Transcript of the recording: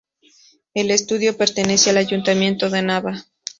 El estadio pertenece al Ayuntamiento de Nava.